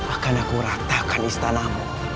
akan aku ratakan istanamu